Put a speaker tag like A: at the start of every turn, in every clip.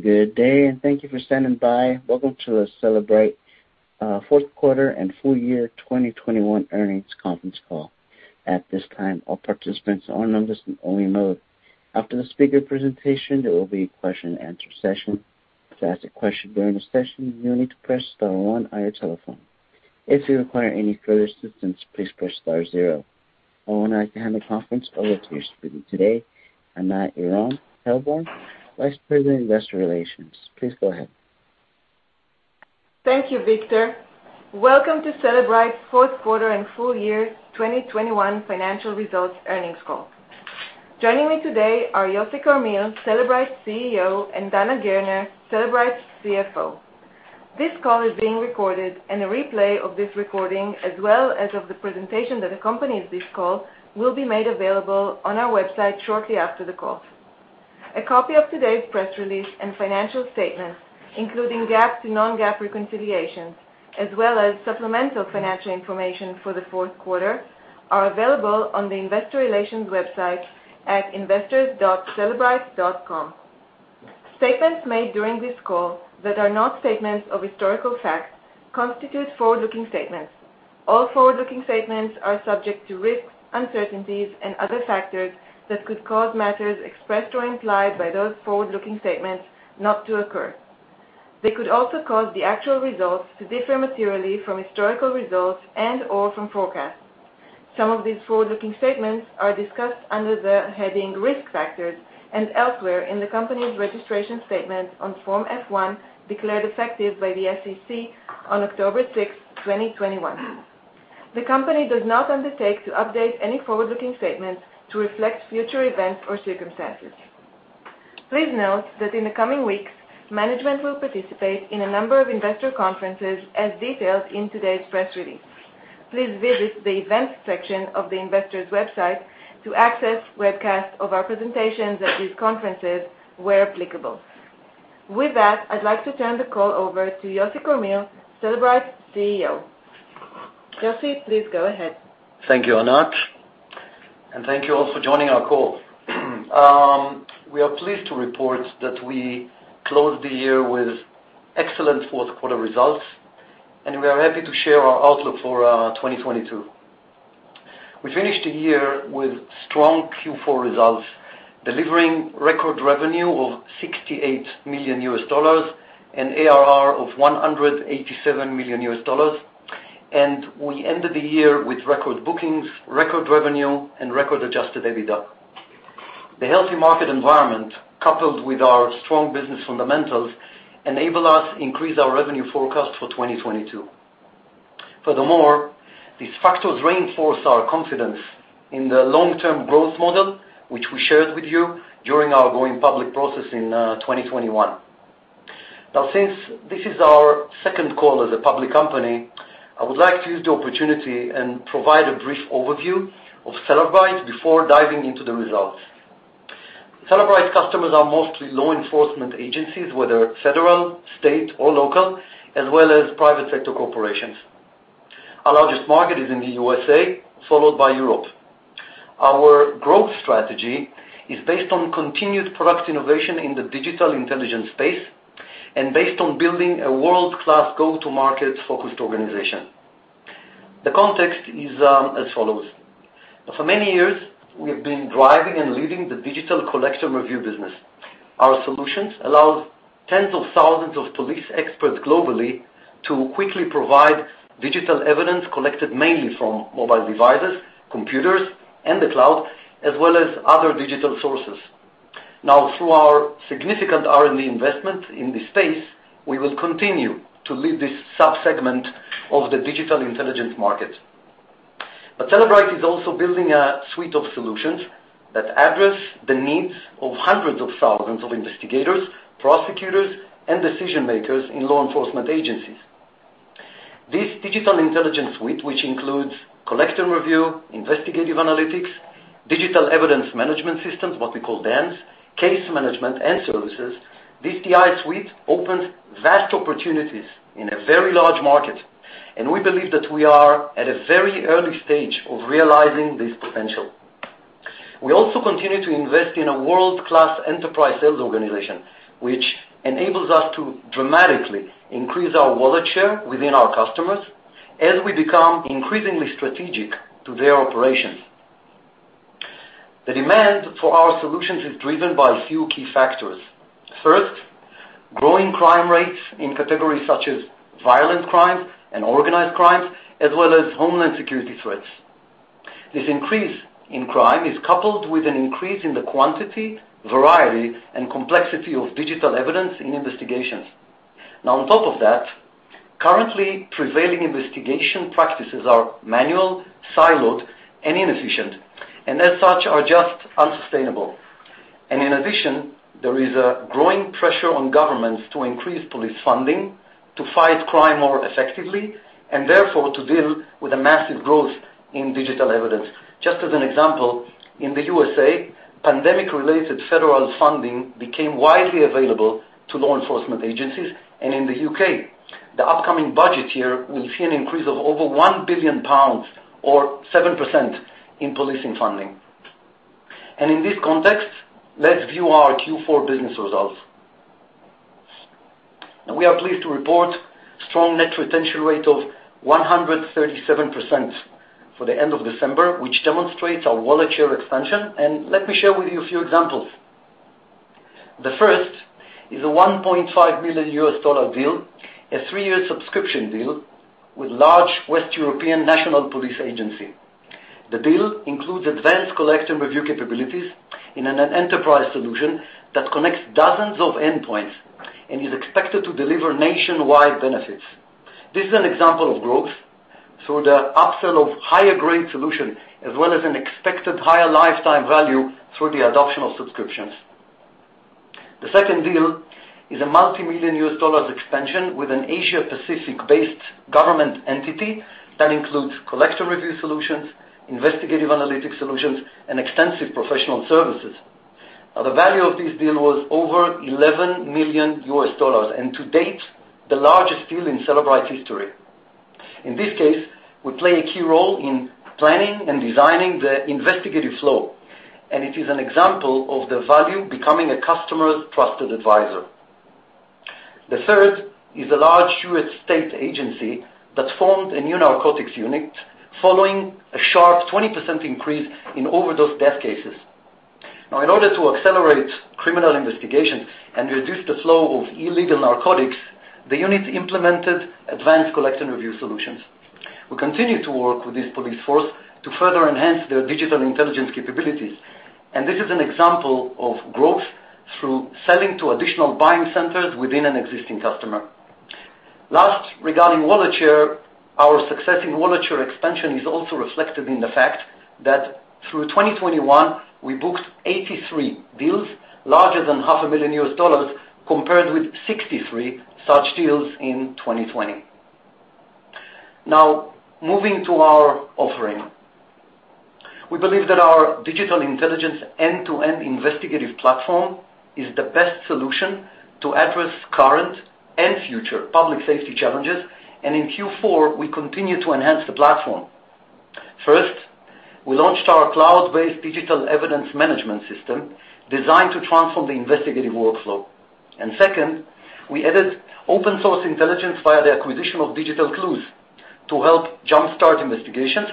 A: Good day, and thank you for standing by. Welcome to Cellebrite fourth quarter and full year 2021 earnings conference call. At this time, all participants are in listen-only mode. After the speaker presentation, there will be a question-and-answer session. To ask a question during the session, you'll need to press star one on your telephone. If you require any further assistance, please press star zero. I would now like to hand the conference over to your speaker today, Anat Earon-Heilborn, Vice President, Investor Relations. Please go ahead.
B: Thank you, Victor. Welcome to Cellebrite fourth quarter and full year 2021 financial results earnings call. Joining me today are Yossi Carmil, Cellebrite Chief Executive Officer, and Dana Gerner, Cellebrite Chief Financial Officer. This call is being recorded, and a replay of this recording, as well as of the presentation that accompanies this call, will be made available on our website shortly after the call. A copy of today's press release and financial statements, including GAAP to non-GAAP reconciliations, as well as supplemental financial information for the fourth quarter, are available on the investor relations website at investors.cellebrite.com. Statements made during this call that are not statements of historical fact constitute forward-looking statements. All forward-looking statements are subject to risks, uncertainties, and other factors that could cause matters expressed or implied by those forward-looking statements not to occur. They could also cause the actual results to differ materially from historical results and/or from forecasts. Some of these forward-looking statements are discussed under the heading Risk Factors and elsewhere in the company's registration statement on Form F-1, declared effective by the SEC on October 6, 2021. The company does not undertake to update any forward-looking statements to reflect future events or circumstances. Please note that in the coming weeks, management will participate in a number of investor conferences as detailed in today's press release. Please visit the Events section of the investors website to access webcast of our presentations at these conferences where applicable. With that, I'd like to turn the call over to Yossi Carmil, Cellebrite Chief Executive Officer. Yossi, please go ahead.
C: Thank you, Anat, and thank you all for joining our call. We are pleased to report that we closed the year with excellent fourth quarter results, and we are happy to share our outlook for 2022. We finished the year with strong Q4 results, delivering record revenue of $68 million and ARR of $187 million. We ended the year with record bookings, record revenue and record adjusted EBITDA. The healthy market environment, coupled with our strong business fundamentals, enable us to increase our revenue forecast for 2022. Furthermore, these factors reinforce our confidence in the long-term growth model, which we shared with you during our going public process in 2021. Now, since this is our second call as a public company, I would like to use the opportunity and provide a brief overview of Cellebrite before diving into the results. Cellebrite customers are mostly law enforcement agencies, whether federal, state or local, as well as private sector corporations. Our largest market is in the U.S., followed by Europe. Our growth strategy is based on continued product innovation in the digital intelligence space and based on building a world-class go-to market focused organization. The context is, as follows. For many years, we have been driving and leading the digital collection review business. Our solutions allows tens of thousands of police experts globally to quickly provide digital evidence collected mainly from mobile devices, computers and the cloud, as well as other digital sources. Now, through our significant R&D investment in this space, we will continue to lead this sub-segment of the digital intelligence market. Cellebrite is also building a suite of solutions that address the needs of hundreds of thousands of investigators, prosecutors and decision-makers in law enforcement agencies. This Digital Intelligence suite, which includes Collection Review, Investigative Analytics, Digital Evidence Management Systems, what we call DEMS, Case Management and Services, opens vast opportunities in a very large market, and we believe that we are at a very early stage of realizing this potential. We also continue to invest in a world-class enterprise sales organization, which enables us to dramatically increase our wallet share within our customers as we become increasingly strategic to their operations. The demand for our solutions is driven by a few key factors. First, growing crime rates in categories such as violent crimes and organized crimes, as well as homeland security threats. This increase in crime is coupled with an increase in the quantity, variety, and complexity of digital evidence in investigations. Now, on top of that, currently prevailing investigation practices are manual, siloed and inefficient, and as such are just unsustainable. In addition, there is a growing pressure on governments to increase police funding to fight crime more effectively and therefore to deal with a massive growth in digital evidence. Just as an example, in the USA, pandemic related federal funding became widely available to law enforcement agencies. In the U.K., the upcoming budget year will see an increase of over 1 billion pounds or 7% in policing funding. In this context, let's view our Q4 business results. Now, we are pleased to report strong net retention rate of 137% for the end of December, which demonstrates our wallet share expansion. Let me share with you a few examples. The first is a $1.5 million deal, a 3-year subscription deal with large West European national police agency. The deal includes advanced collect and review capabilities in an enterprise solution that connects dozens of endpoints and is expected to deliver nationwide benefits. This is an example of growth through the upsell of higher grade solution, as well as an expected higher lifetime value through the adoption of subscriptions. The second deal is a multi-million USD expansion with an Asia Pacific-based government entity that includes collect and review solutions, investigative analytic solutions, and extensive professional services. Now, the value of this deal was over $11 million, and to date, the largest deal in Cellebrite history. In this case, we play a key role in planning and designing the investigative flow, and it is an example of the value becoming a customer's trusted advisor. The third is a large U.S. state agency that formed a new narcotics unit following a sharp 20% increase in overdose death cases. Now, in order to accelerate criminal investigation and reduce the flow of illegal narcotics, the unit implemented advanced collect and review solutions. We continue to work with this police force to further enhance their digital intelligence capabilities, and this is an example of growth through selling to additional buying centers within an existing customer. Last, regarding wallet share, our success in wallet share expansion is also reflected in the fact that through 2021 we booked 83 deals larger than half a million US dollars compared with 63 such deals in 2020. Now, moving to our offering. We believe that our digital intelligence end-to-end investigative platform is the best solution to address current and future public safety challenges. In Q4, we continue to enhance the platform. First, we launched our cloud-based digital evidence management system designed to transform the investigative workflow. Second, we added open-source intelligence via the acquisition of Digital Clues to help jumpstart investigations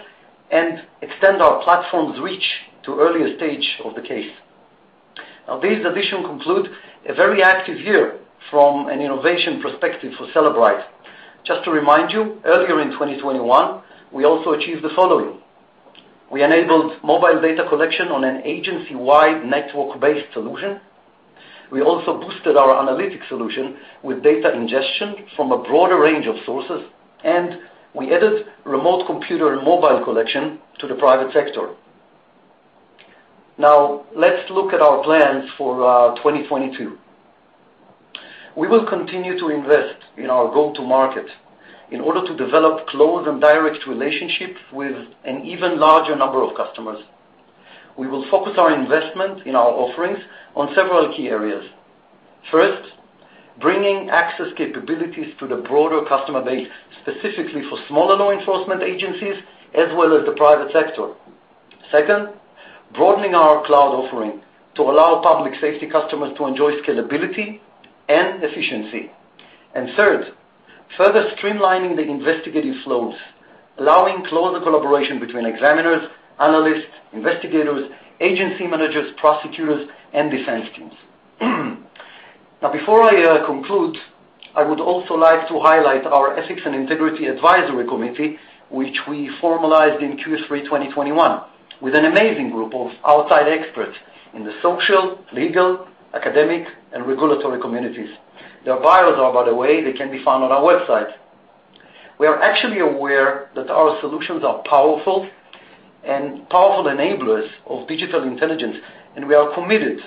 C: and extend our platform's reach to earlier stage of the case. Now, these additions conclude a very active year from an innovation perspective for Cellebrite. Just to remind you, earlier in 2021, we also achieved the following. We enabled mobile data collection on an agency-wide network-based solution. We also boosted our analytics solution with data ingestion from a broader range of sources, and we added remote computer and mobile collection to the private sector. Now, let's look at our plans for 2022. We will continue to invest in our go-to-market in order to develop close and direct relationships with an even larger number of customers. We will focus our investment in our offerings on several key areas. First, bringing access capabilities to the broader customer base, specifically for smaller law enforcement agencies as well as the private sector. Second, broadening our cloud offering to allow public safety customers to enjoy scalability and efficiency. Third, further streamlining the investigative flows, allowing closer collaboration between examiners, analysts, investigators, agency managers, prosecutors, and defense teams. Now, before I conclude, I would also like to highlight our ethics and integrity advisory committee, which we formalized in Q3 2021, with an amazing group of outside experts in the social, legal, academic, and regulatory communities. Their bios are, by the way, they can be found on our website. We are actually aware that our solutions are powerful enablers of digital intelligence, and we are committed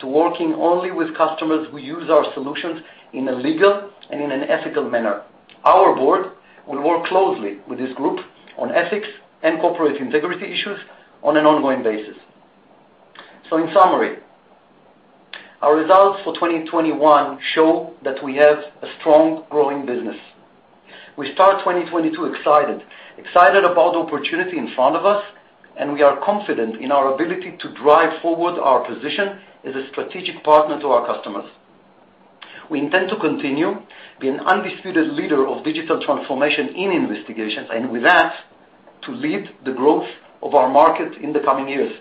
C: to working only with customers who use our solutions in a legal and in an ethical manner. Our board will work closely with this group on ethics and corporate integrity issues on an ongoing basis. In summary, our results for 2021 show that we have a strong growing business. We start 2022 excited about the opportunity in front of us, and we are confident in our ability to drive forward our position as a strategic partner to our customers. We intend to continue being undisputed leader of digital transformation in investigations and with that, to lead the growth of our market in the coming years.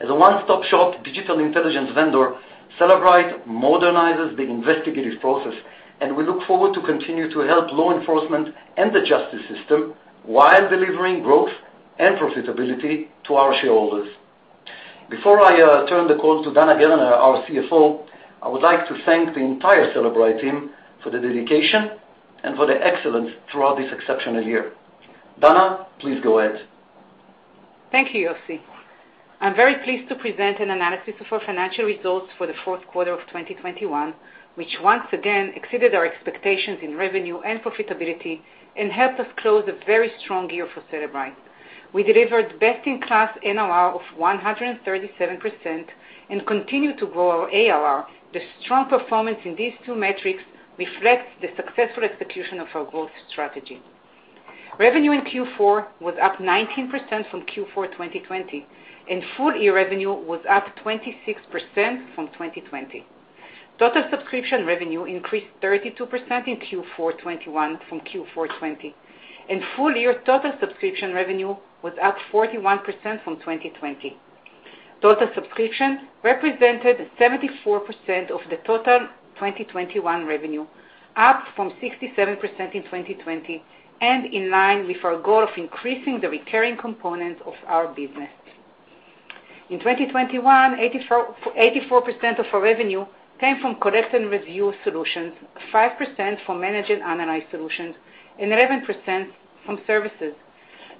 C: As a one-stop shop digital intelligence vendor, Cellebrite modernizes the investigative process, and we look forward to continue to help law enforcement and the justice system while delivering growth and profitability to our shareholders. Before I turn the call to Dana Gerner, our Chief Financial Officer, I would like to thank the entire Cellebrite team for their dedication and for their excellence throughout this exceptional year. Dana, please go ahead.
D: Thank you, Yossi. I'm very pleased to present an analysis of our financial results for the fourth quarter of 2021, which once again exceeded our expectations in revenue and profitability and helped us close a very strong year for Cellebrite. We delivered best-in-class NRR of 137% and continued to grow our ARR. The strong performance in these two metrics reflects the successful execution of our growth strategy. Revenue in Q4 was up 19% from Q4 2020, and full-year revenue was up 26% from 2020. Total subscription revenue increased 32% in Q4 2021 from Q4 2020, and full year total subscription revenue was up 41% from 2020. Total subscription represented 74% of the total 2021 revenue, up from 67% in 2020 and in line with our goal of increasing the recurring components of our business. In 2021, 84% of our revenue came from collect and review solutions, 5% from manage and analyze solutions, and 11% from services.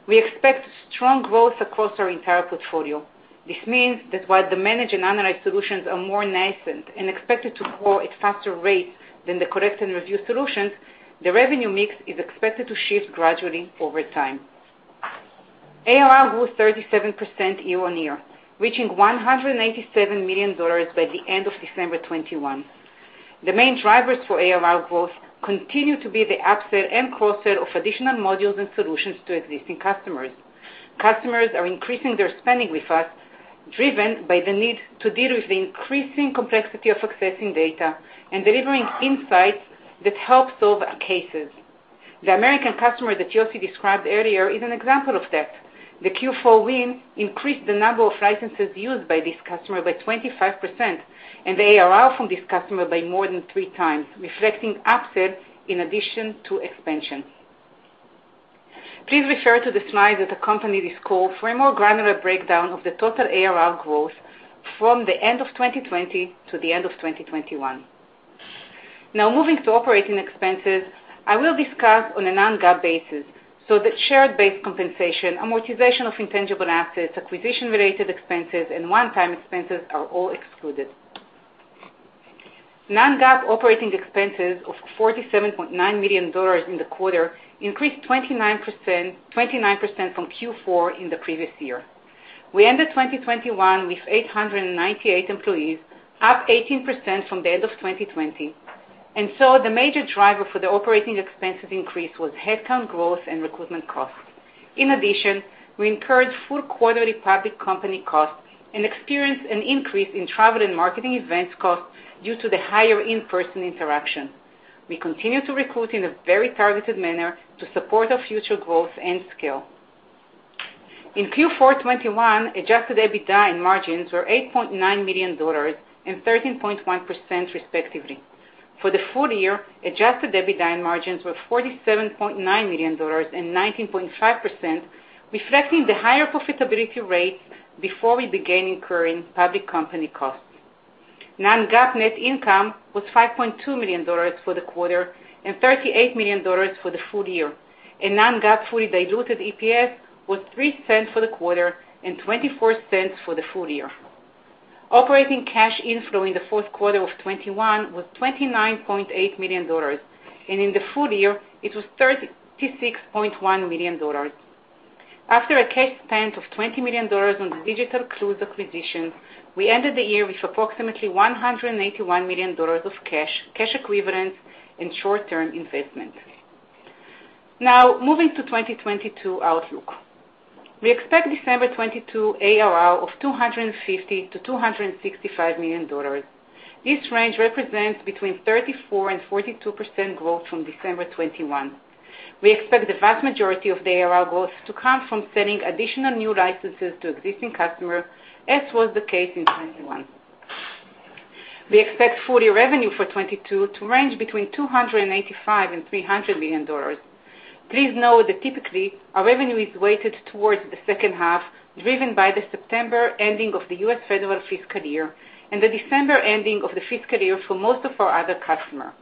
D: We expect strong growth across our entire portfolio. This means that while the manage and analyze solutions are more nascent and expected to grow at faster rates than the collect and review solutions, the revenue mix is expected to shift gradually over time. ARR grew 37% year-on-year, reaching $187 million by the end of December 2021. The main drivers for ARR growth continue to be the upsell and cross-sell of additional modules and solutions to existing customers. Customers are increasing their spending with us, driven by the need to deal with the increasing complexity of accessing data and delivering insights that help solve cases. The American customer that Yossi described earlier is an example of that. The Q4 win increased the number of licenses used by this customer by 25% and the ARR from this customer by more than 3 times, reflecting upsell in addition to expansion. Please refer to the slide that accompanies this call for a more granular breakdown of the total ARR growth from the end of 2020 to the end of 2021. Now moving to operating expenses, I will discuss on a non-GAAP basis so that share-based compensation, amortization of intangible assets, acquisition-related expenses, and one-time expenses are all excluded. Non-GAAP operating expenses of $47.9 million in the quarter increased 29% from Q4 in the previous year. We ended 2021 with 898 employees, up 18% from the end of 2020, and so the major driver for the operating expenses increase was headcount growth and recruitment costs. In addition, we incurred full quarterly public company costs and experienced an increase in travel and marketing events costs due to the higher in-person interaction. We continue to recruit in a very targeted manner to support our future growth and scale. In Q4 2021, adjusted EBITDA and margins were $8.9 million and 13.1%, respectively. For the full year, adjusted EBITDA and margins were $47.9 million and 19.5%, reflecting the higher profitability rates before we began incurring public company costs. Non-GAAP net income was $5.2 million for the quarter and $38 million for the full year. Non-GAAP fully diluted EPS was $0.03 for the quarter and $0.24 for the full year. Operating cash inflow in the fourth quarter of 2021 was $29.8 million, and in the full year, it was $36.1 million. After a cash spend of $20 million on the Digital Clues acquisition, we ended the year with approximately $181 million of cash equivalents and short-term investments. Now moving to 2022 outlook. We expect December 2022 ARR of $250 million-$265 million. This range represents between 34%-42% growth from December 2021. We expect the vast majority of the ARR growth to come from selling additional new licenses to existing customers, as was the case in 2021. We expect full year revenue for 2022 to range between $285 million and $300 million. Please note that typically our revenue is weighted towards the second half, driven by the September ending of the U.S. federal fiscal year and the December ending of the fiscal year for most of our other customers.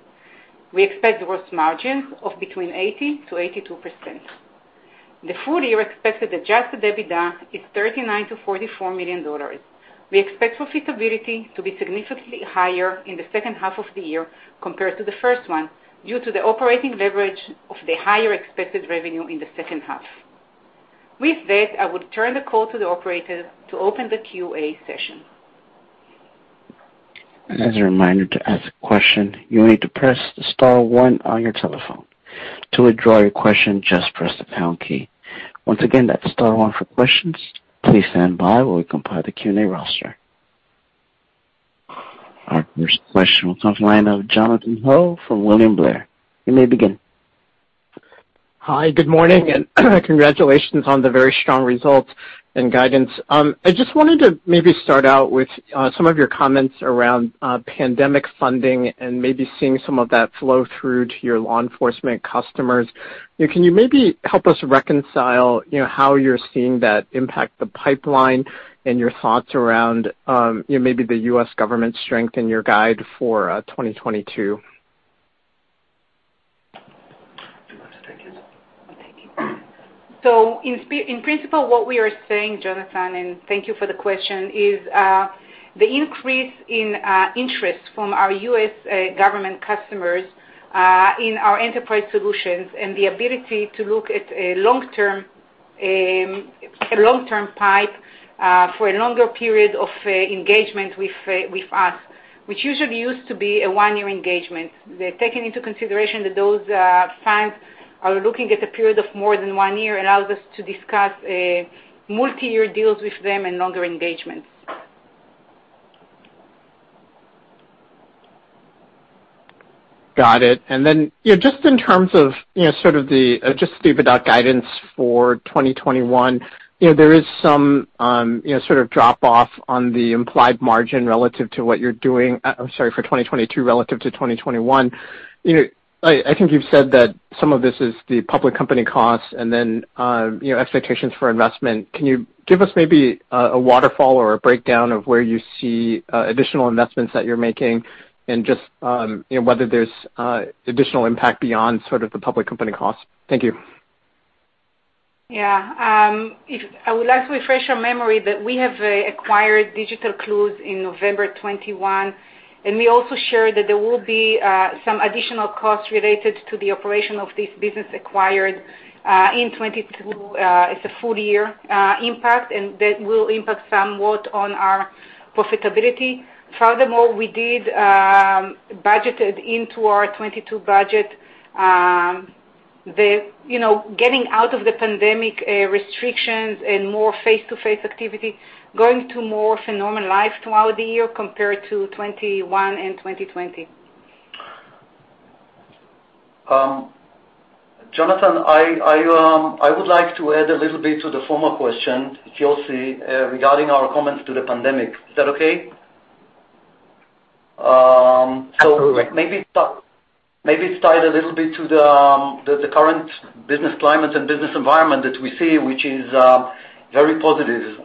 D: We expect gross margins of between 80%-82%. The full year expected adjusted EBITDA is $39 million-$44 million. We expect profitability to be significantly higher in the second half of the year compared to the first one, due to the operating leverage of the higher expected revenue in the second half. With that, I would turn the call to the operator to open the QA session.
A: As a reminder to ask a question, you need to press star one on your telephone, to withdraw your question, just press the pound key. Once again, that's star one for questions. Please stand by while we compile the Q&A roster. Our first question comes from the line of Jonathan Ho from William Blair. You may begin.
E: Hi, good morning and congratulations on the very strong results and guidance. I just wanted to maybe start out with some of your comments around pandemic funding and maybe seeing some of that flow through to your law enforcement customers. Can you maybe help us reconcile, you know, how you're seeing that impact the pipeline and your thoughts around, you know, maybe the U.S. government strength in your guide for 2022?
D: In principle, what we are seeing, Jonathan, and thank you for the question, is the increase in interest from our U.S. government customers in our enterprise solutions and the ability to look at a long-term pipeline for a longer period of engagement with us, which usually used to be a one-year engagement. They're taking into consideration that those funds are looking at a period of more than one year, allows us to discuss multi-year deals with them and longer engagements.
E: Got it. Then, you know, just in terms of the EBITDA guidance for 2021, you know, there is some, you know, sort of drop off on the implied margin relative to what you're doing. I'm sorry, for 2022 relative to 2021. You know, I think you've said that some of this is the public company costs and then, you know, expectations for investment. Can you give us maybe a waterfall or a breakdown of where you see additional investments that you're making and just, you know, whether there's additional impact beyond sort of the public company costs? Thank you.
D: Yeah. I'd like to refresh your memory that we have acquired Digital Clues in November 2021, and we also shared that there will be some additional costs related to the operation of this business acquired in 2022. It's a full year impact, and that will impact somewhat on our profitability. Furthermore, we budgeted into our 2022 budget, you know, the getting out of the pandemic restrictions and more face-to-face activity, going to more in-person life throughout the year compared to 2021 and 2020.
C: Jonathan, I would like to add a little bit to the former question, Yossi, regarding our comments to the pandemic. Is that okay?
E: Absolutely.
C: Maybe talk, maybe tie it a little bit to the current business climate and business environment that we see, which is very positive.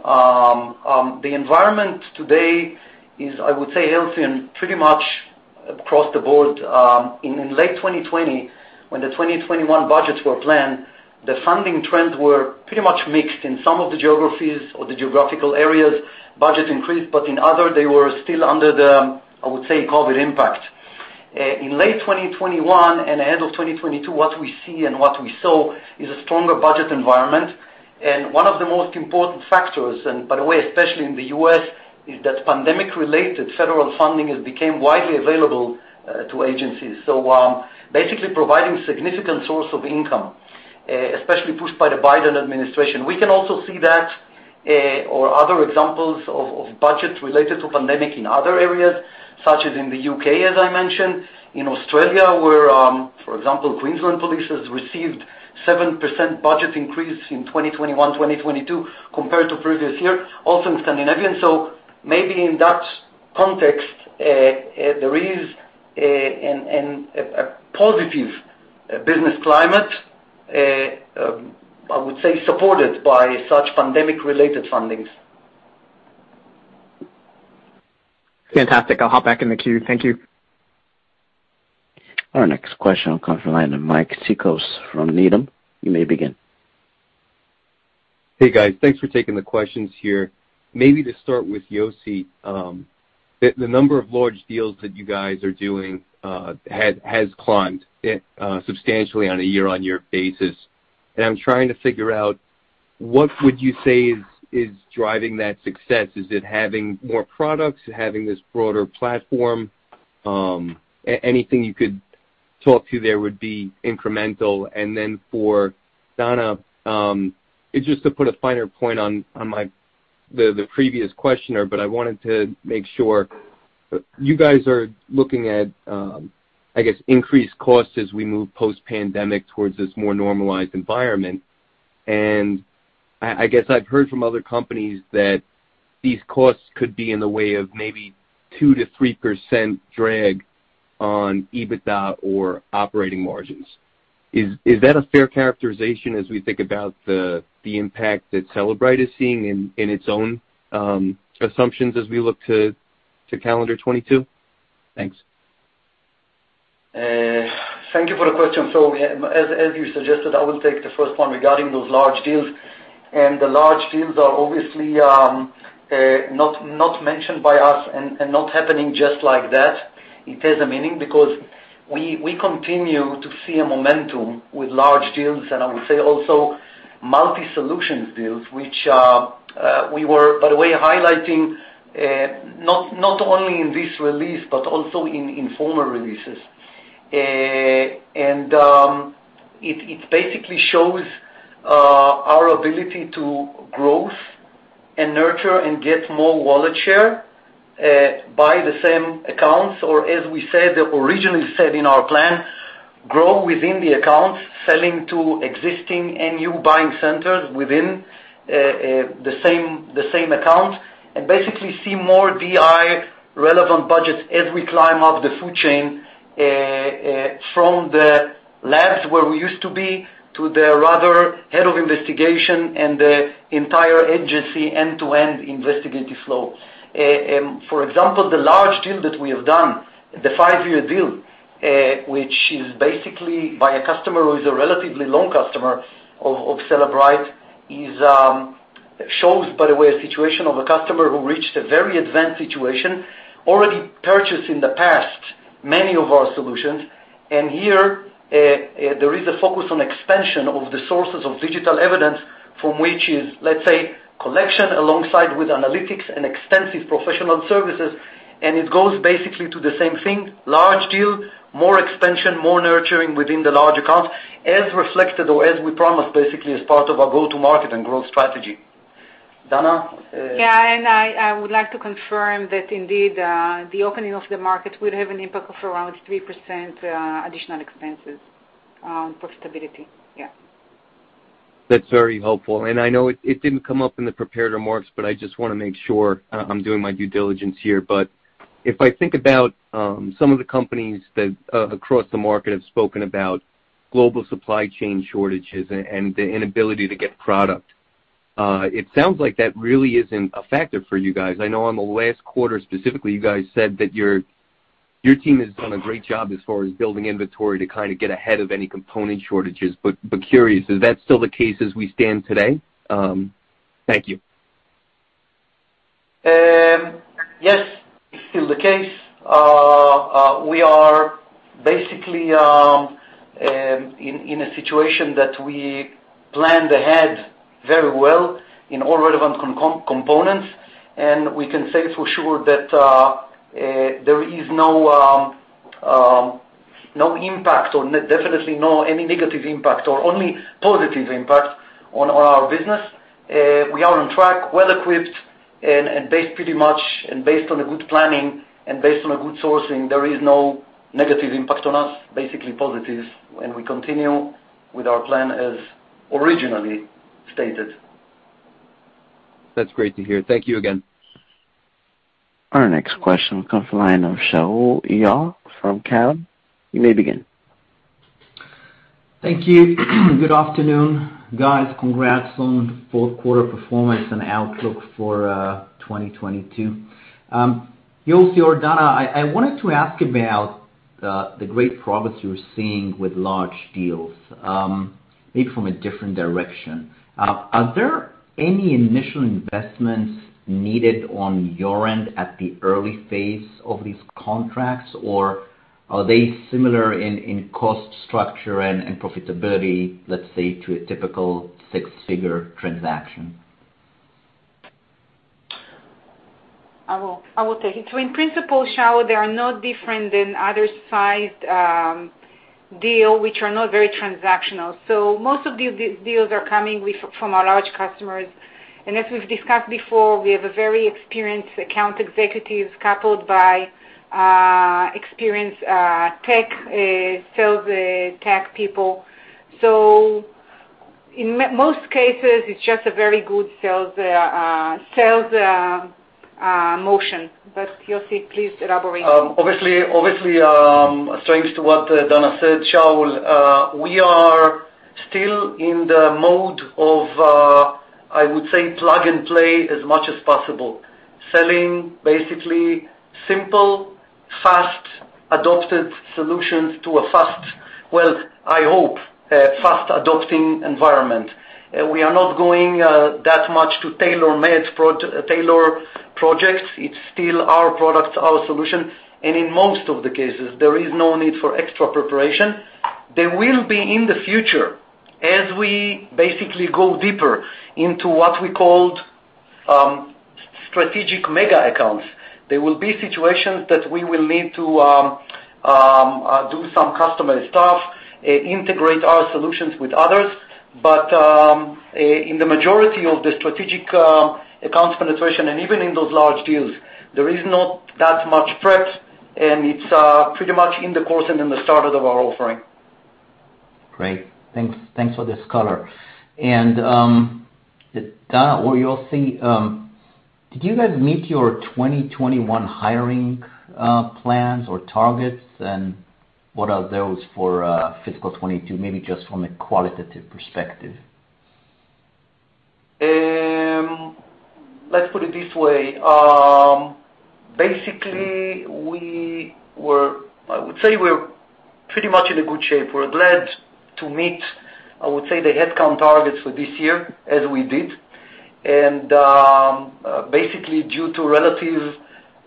C: The environment today is, I would say, healthy and pretty much across the board. In late 2020, when the 2021 budgets were planned, the funding trends were pretty much mixed. In some of the geographies or the geographical areas, budgets increased, but in others, they were still under the, I would say, COVID impact. In late 2021 and ahead of 2022, what we see and what we saw is a stronger budget environment. One of the most important factors, and by the way, especially in the U.S., is that pandemic-related federal funding has became widely available to agencies. Basically providing significant source of income, especially pushed by the Biden administration. We can also see that other examples of budgets related to pandemic in other areas, such as in the U.K., as I mentioned. In Australia where, for example, Queensland Police has received 7% budget increase in 2021, 2022 compared to previous year, also in Scandinavia. Maybe in that context, there is a positive business climate, I would say supported by such pandemic-related fundings.
E: Fantastic. I'll hop back in the queue. Thank you.
A: Our next question will come from the line of Mike Cikos from Needham. You may begin.
F: Hey, guys. Thanks for taking the questions here. Maybe to start with Yossi, the number of large deals that you guys are doing has climbed substantially on a year-over-year basis. I'm trying to figure out what would you say is driving that success? Is it having more products, having this broader platform? Anything you could talk to there would be incremental. Then for Dana, it's just to put a finer point on the previous questioner, but I wanted to make sure. You guys are looking at, I guess, increased costs as we move post-pandemic towards this more normalized environment. I guess I've heard from other companies that these costs could be in the way of maybe 2%-3% drag on EBITDA or operating margins. Is that a fair characterization as we think about the impact that Cellebrite is seeing in its own assumptions as we look to calendar 2022? Thanks.
C: Thank you for the question. As you suggested, I will take the first one regarding those large deals. The large deals are obviously not mentioned by us and not happening just like that. It has a meaning because we continue to see a momentum with large deals, and I would say also multi-solutions deals, which we were, by the way, highlighting not only in this release but also in former releases. It basically shows our ability to grow and nurture and get more wallet share by the same accounts, or as we said, originally said in our plan, grow within the accounts, selling to existing and new buying centers within the same account, and basically see more DI-relevant budgets as we climb up the food chain from the labs where we used to be to the head of investigation and the entire agency end-to-end investigative flow. For example, the large deal that we have done, the five-year deal, which is basically by a customer who is a relatively long customer of Cellebrite, shows, by the way, a situation of a customer who reached a very advanced situation, already purchased in the past many of our solutions. Here, there is a focus on expansion of the sources of digital evidence from which is, let's say, collection alongside with analytics and extensive professional services, and it goes basically to the same thing, large deal, more expansion, more nurturing within the large accounts as reflected or as we promised, basically as part of our go-to-market and growth strategy. Dana?
D: I would like to confirm that indeed, the opening of the market would have an impact of around 3% additional expenses, profitability.
F: That's very helpful. I know it didn't come up in the prepared remarks, but I just wanna make sure I'm doing my due diligence here. If I think about some of the companies that across the market have spoken about global supply chain shortages and the inability to get product, it sounds like that really isn't a factor for you guys. I know on the last quarter specifically, you guys said that your team has done a great job as far as building inventory to kind of get ahead of any component shortages. Curious, is that still the case as we stand today? Thank you.
C: Yes, it's still the case. We are basically in a situation that we planned ahead very well in all relevant components. We can say for sure that there is no impact or definitely no any negative impact or only positive impact on our business. We are on track, well-equipped and based on a good planning and based on a good sourcing, there is no negative impact on us, basically positives, and we continue with our plan as originally stated.
F: That's great to hear. Thank you again.
A: Our next question comes from the line of Shaul Eyal from Cowen. You may begin.
G: Thank you. Good afternoon, guys. Congrats on fourth quarter performance and outlook for 2022. Yossi or Dana, I wanted to ask about the great progress you're seeing with large deals, maybe from a different direction. Are there any initial investments needed on your end at the early phase of these contracts, or are they similar in cost structure and profitability, let's say, to a typical six-figure transaction?
D: I will take it. In principle, Shaul, they are no different than other sized deal, which are not very transactional. Most of these deals are coming from our large customers. As we've discussed before, we have a very experienced account executives coupled by experienced tech sales tech people. In most cases, it's just a very good sales motion. Yossi, please elaborate.
C: Obviously, Dana said, Shaul, we are still in the mode of, I would say, plug and play as much as possible, selling basically simple, fast adopted solutions to a fast adopting environment. We are not going that much to tailor-made projects. It's still our products, our solution. In most of the cases, there is no need for extra preparation. There will be in the future as we basically go deeper into what we called strategic mega accounts. There will be situations that we will need to do some customer stuff, integrate our solutions with others. In the majority of the strategic accounts penetration and even in those large deals, there is not that much prep, and it's pretty much in the course and in the start of our offering.
G: Great. Thanks for this color. Dana or Yossi, did you guys meet your 2021 hiring plans or targets? What are those for fiscal 2022? Maybe just from a qualitative perspective.
C: Let's put it this way. Basically, I would say we're pretty much in a good shape. We're glad to meet, I would say, the headcount targets for this year as we did. Basically, due to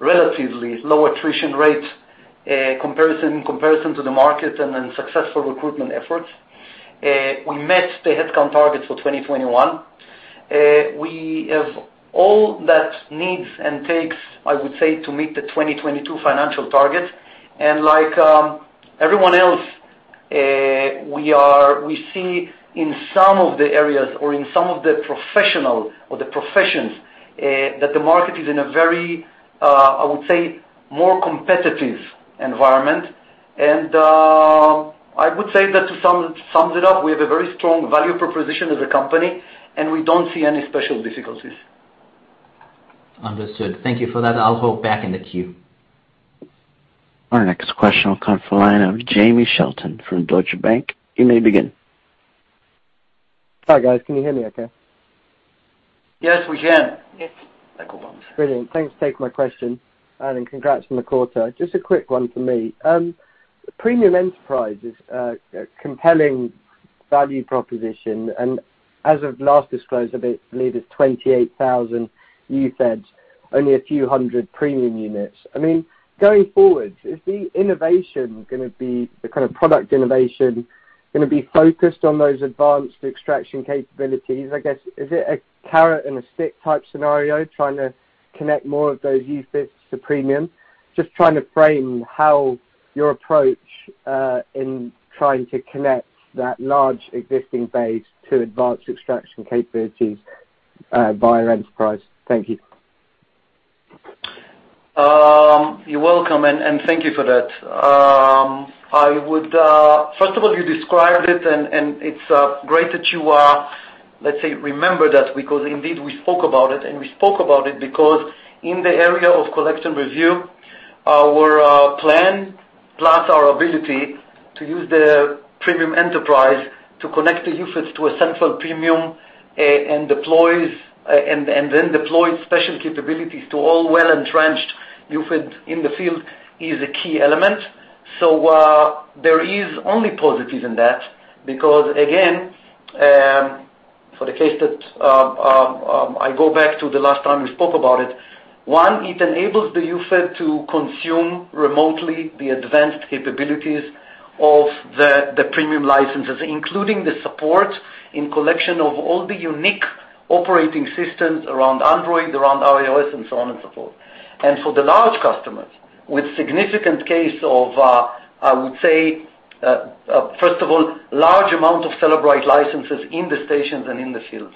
C: relatively low attrition rates in comparison to the market and then successful recruitment efforts, we met the headcount targets for 2021. We have all that it needs and takes, I would say, to meet the 2022 financial targets. Like everyone else, we see in some of the areas or in some of the professions, that the market is in a very, I would say, more competitive environment. I would say that to sum it up, we have a very strong value proposition as a company, and we don't see any special difficulties.
G: Understood. Thank you for that. I'll go back in the queue.
A: Our next question will come from the line of Jamie Shelton from Deutsche Bank. You may begin.
H: Hi, guys. Can you hear me okay?
C: Yes, we can.
D: Yes.
C: No problems.
H: Brilliant. Thanks for taking my question. Congrats on the quarter. Just a quick one from me. The Premium Enterprise is a compelling value proposition. As of last disclosure, I believe it's 28,000 UFED, only a few hundred premium units. I mean, going forward, is the innovation gonna be the kind of product innovation focused on those advanced extraction capabilities? I guess, is it a carrot-and-a-stick type scenario, trying to connect more of those UFEDs to premium? Just trying to frame how your approach in trying to connect that large existing base to advanced extraction capabilities via Enterprise. Thank you.
C: You're welcome, and thank you for that. First of all, you described it and it's great that you are, let's say, remember that because indeed we spoke about it, and we spoke about it because in the area of collect and review, our plan plus our ability to use the Premium Enterprise to connect the UFEDs to a central Premium and then deploy special capabilities to all well-entrenched UFED in the field is a key element. There is only positives in that because, again, for the case that I go back to the last time we spoke about it. 1, it enables the UFED to consume remotely the advanced capabilities of the Premium licenses, including the support in collection of all the unique operating systems around Android, around iOS, and so on and so forth. For the large customers, with significant case of, I would say, first of all, large amount of Cellebrite licenses in the stations and in the field.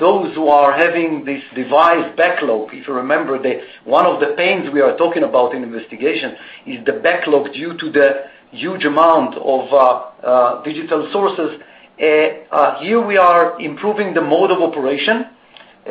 C: Those who are having this device backlog, if you remember, one of the pains we are talking about in investigation is the backlog due to the huge amount of digital sources. Here we are improving the mode of operation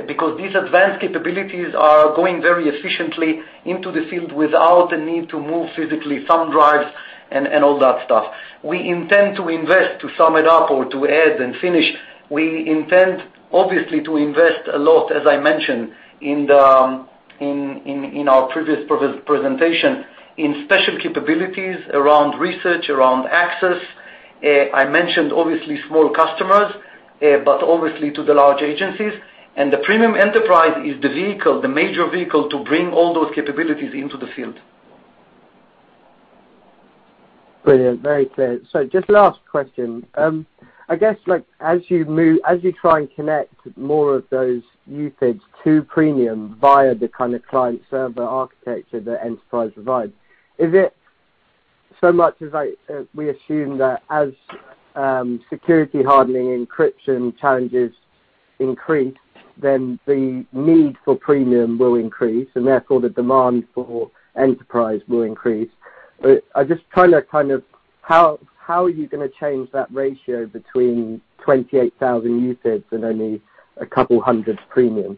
C: because these advanced capabilities are going very efficiently into the field without the need to move physically thumb drives and all that stuff. We intend to invest to sum it up or to add and finish. We intend obviously to invest a lot, as I mentioned in our previous presentation, in special capabilities around research, around access. I mentioned obviously small customers, but obviously to the large agencies. The Premium Enterprise is the vehicle, the major vehicle to bring all those capabilities into the field.
H: Brilliant. Very clear. Just last question. I guess, like, as you try and connect more of those UFEDs to Premium via the kind of client-server architecture that Enterprise provide, is it so much as we assume that as security hardening, encryption challenges increase, then the need for Premium will increase, and therefore the demand for Enterprise will increase. I'm just trying to how are you gonna change that ratio between 28,000 UFEDs and only 200 Premium?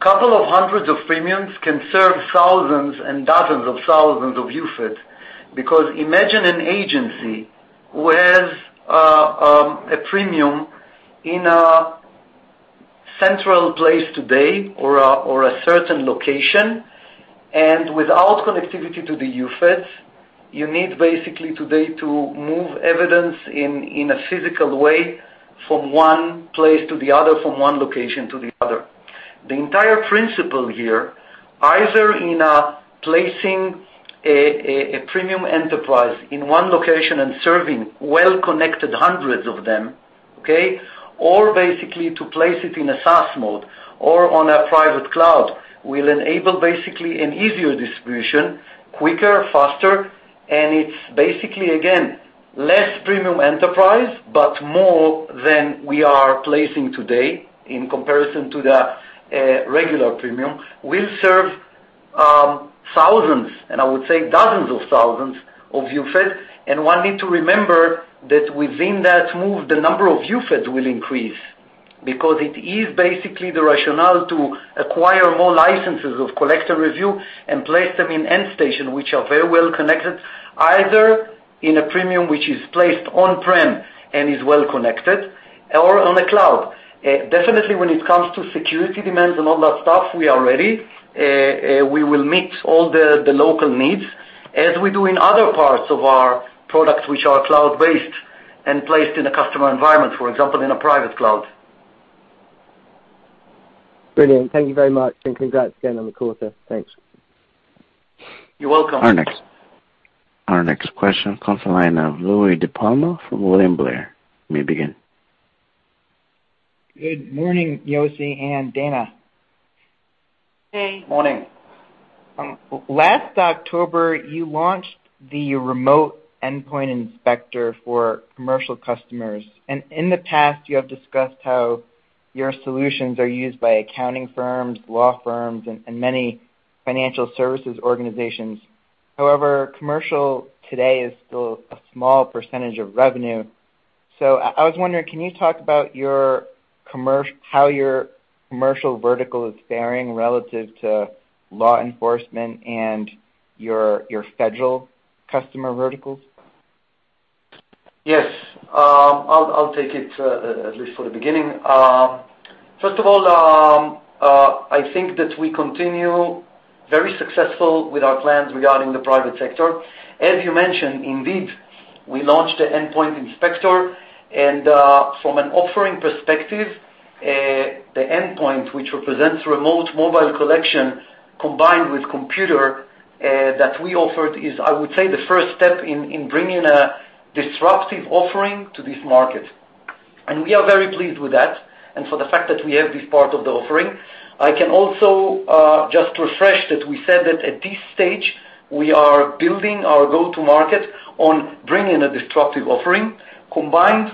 C: couple of hundreds of Premiums can serve thousands and dozens of thousands of UFED. Because imagine an agency who has a Premium in a central place today or a certain location, and without connectivity to the UFEDs, you need basically today to move evidence in a physical way from one place to the other, from one location to the other. The entire principle here, either in placing a Premium Enterprise in one location and serving well-connected hundreds of them, okay. Or basically to place it in a SaaS mode or on a private cloud, will enable basically an easier distribution, quicker, faster. It's basically, again, less Premium Enterprise, but more than we are placing today in comparison to the regular Premium. We'll serve thousands, and I would say dozens of thousands of UFEDs. One needs to remember that within that move, the number of UFED will increase because it is basically the rationale to acquire more licenses of collect and review and place them in Endpoint Inspector, which are very well connected, either in a Premium which is placed on-prem and is well connected or on the cloud. Definitely when it comes to security demands and all that stuff, we are ready. We will meet all the local needs as we do in other parts of our products which are cloud-based and placed in a customer environment, for example, in a private cloud.
H: Brilliant. Thank you very much, and congrats again on the quarter. Thanks.
C: You're welcome.
A: Our next question comes from the line of Louie DiPalma from William Blair. You may begin.
I: Good morning, Yossi and Dana.
D: Hey.
C: Morning.
I: Last October, you launched the remote Endpoint Inspector for commercial customers. In the past, you have discussed how your solutions are used by accounting firms, law firms, and many financial services organizations. However, commercial today is still a small percentage of revenue. I was wondering, can you talk about how your commercial vertical is faring relative to law enforcement and your federal customer verticals?
C: Yes. I'll take it at least for the beginning. First of all, I think that we continue very successful with our plans regarding the private sector. As you mentioned, indeed, we launched the Endpoint Inspector. From an offering perspective, the endpoint which represents remote mobile collection combined with computer that we offered is, I would say, the first step in bringing a disruptive offering to this market. We are very pleased with that, and for the fact that we have this part of the offering. I can also just refresh that we said that at this stage, we are building our go-to market on bringing a disruptive offering combined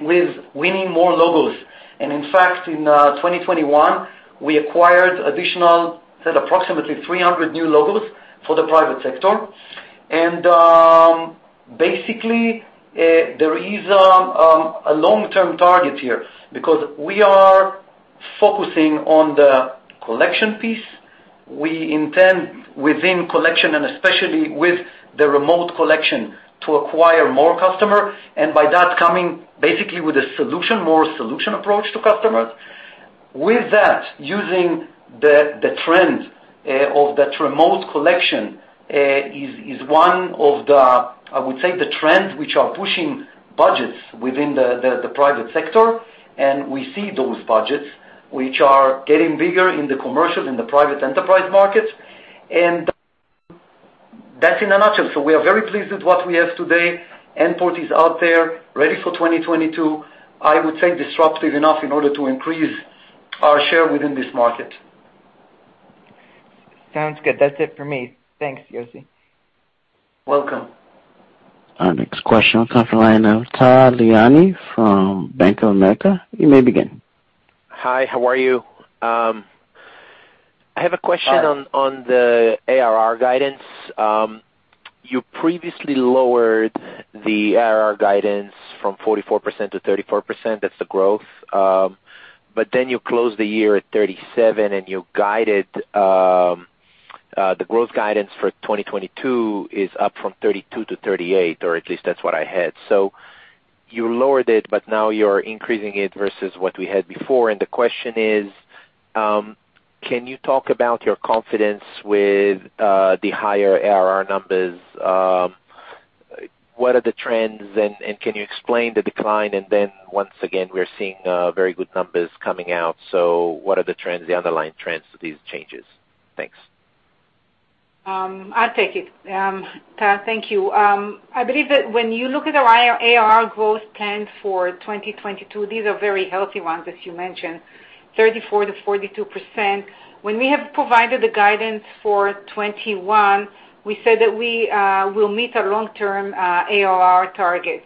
C: with winning more logos. In fact, in 2021, we acquired additional, say, approximately 300 new logos for the private sector. Basically, there is a long-term target here because we are focusing on the collection piece. We intend within collection, and especially with the remote collection, to acquire more customers, and by that coming basically with a solution, more solution approach to customers. With that, using the trend of the remote collection is one of the, I would say, the trends which are pushing budgets within the private sector, and we see those budgets which are getting bigger in the commercial, in the private enterprise markets. That's in a nutshell. We are very pleased with what we have today. Endpoint is out there ready for 2022. I would say disruptive enough in order to increase our share within this market.
I: Sounds good. That's it for me. Thanks, Yossi.
C: Welcome.
A: Our next question will come from the line of Tal Liani from Bank of America. You may begin.
J: Hi, how are you? I have a question.
C: Hi.
J: On the ARR guidance. You previously lowered the ARR guidance from 44% to 34%, that's the growth. But then you closed the year at 37, and you guided the growth guidance for 2022 is up from 32%-38%, or at least that's what I had. You lowered it, but now you're increasing it versus what we had before. The question is, can you talk about your confidence with the higher ARR numbers? What are the trends, and can you explain the decline? Then once again, we're seeing very good numbers coming out. What are the trends, the underlying trends to these changes? Thanks.
D: I'll take it. Tal, thank you. I believe that when you look at our ARR growth plan for 2022, these are very healthy ones, as you mentioned, 34%-42%. When we have provided the guidance for 2021, we said that we will meet our long-term ARR targets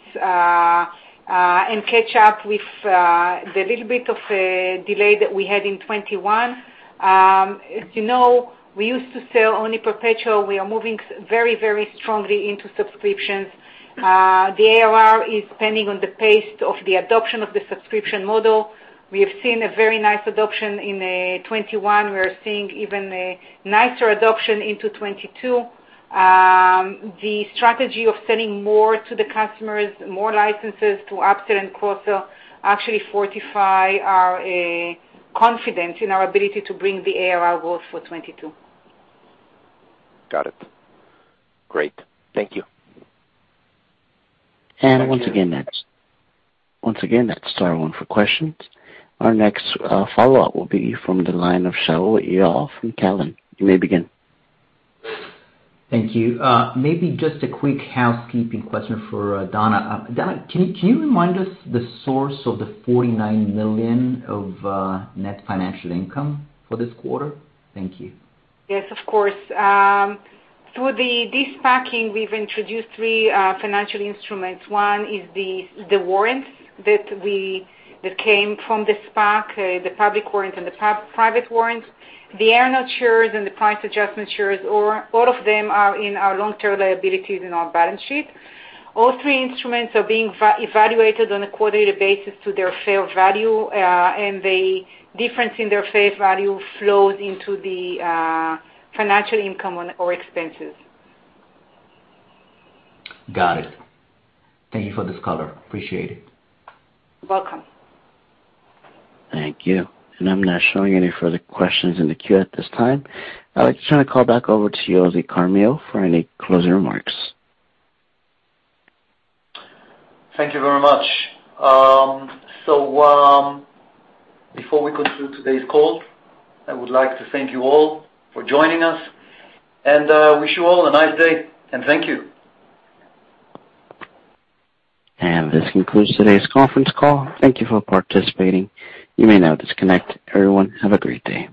D: and catch up with the little bit of a delay that we had in 2021. As you know, we used to sell only perpetual. We are moving very, very strongly into subscriptions. The ARR is depending on the pace of the adoption of the subscription model. We have seen a very nice adoption in 2021. We are seeing even a nicer adoption into 2022. The strategy of selling more to the customers, more licenses to upsell and cross-sell actually fortify our confidence in our ability to bring the ARR growth for 2022.
J: Got it. Great. Thank you.
A: Once again, that's star one for questions. Our next follow-up will be from the line of Shaul Eyal from Cowen. You may begin.
G: Thank you. Maybe just a quick housekeeping question for Dana. Dana, can you remind us the source of the $49 million of net financial income for this quarter? Thank you.
D: Yes, of course. Through the de-SPACing, we've introduced three financial instruments. One is the warrants that came from the SPAC, the public warrants and the private warrants. The earn-outs shares and the price adjustment shares, all of them are in our long-term liabilities in our balance sheet. All three instruments are being evaluated on a quarterly basis to their fair value, and the difference in their fair value flows into the financial income or expenses.
G: Got it. Thank you for this color. Appreciate it.
D: Welcome.
A: Thank you. I'm not showing any further questions in the queue at this time. I'd like to turn the call back over to Yossi Carmil for any closing remarks.
C: Thank you very much. Before we conclude today's call, I would like to thank you all for joining us and wish you all a nice day, and thank you.
A: This concludes today's conference call. Thank you for participating. You may now disconnect. Everyone, have a great day.